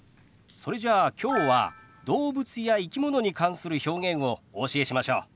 それじゃあきょうは動物や生き物に関する表現をお教えしましょう。